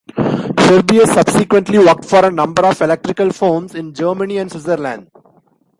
Scherbius subsequently worked for a number of electrical firms in Germany and Switzerland.